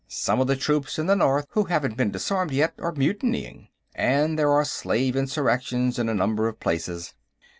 Some of the troops in the north who haven't been disarmed yet are mutinying, and there are slave insurrections in a number of places."